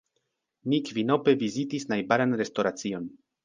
Ni kvinope vizitis najbaran restoracion.